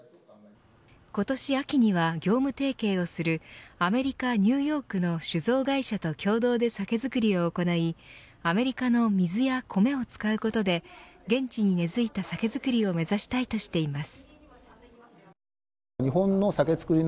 今年秋には業務提携をするアメリカ・ニューヨークの酒造会社と共同で酒造りを行いアメリカの水や米を使うことで現地に根付いた酒造りを目指したいとしています。